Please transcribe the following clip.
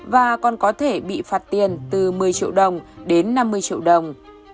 và còn có thể bị phạt tiền từ một mươi triệu đồng đến năm mươi triệu đồng